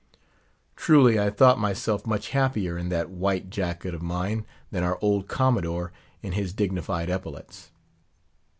Truly, I thought myself much happier in that white jacket of mine, than our old Commodore in his dignified epaulets.